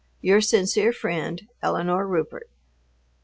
Your sincere friend, ELINORE RUPERT.